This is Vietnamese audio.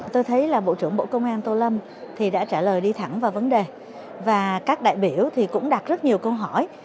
tôi thấy là bộ trưởng bộ công an tô lâm thì đã trả lời đi thẳng vào vấn đề và các đại biểu thì cũng đặt rất nhiều câu hỏi